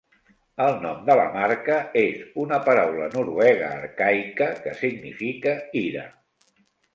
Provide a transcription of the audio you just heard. El nom de la marca és una paraula noruega arcaica que significa "ira".